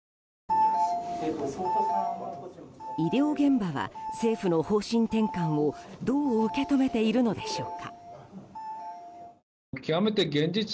医療現場は、政府の方針転換をどう受け止めているのでしょうか。